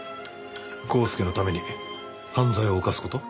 コースケのために犯罪を犯す事？